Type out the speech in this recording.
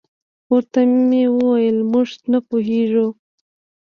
ورته مې وویل: موږ نه پوهېږو.